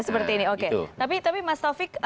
seperti ini oke tapi mas taufik